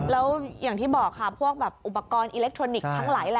แล้วอย่างที่บอกครับพวกอุปกรณ์อิเล็กตรอนิกส์ทั้งหลาย